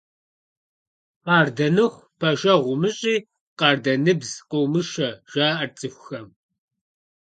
«Къардэныхъу пэшэгъу умыщӀи, къардэныбз къыумышэ», – жаӀэрт цӀыхухэм.